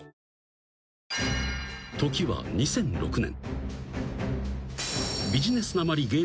［時は２００６年］